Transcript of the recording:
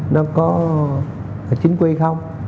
nó có chính quy không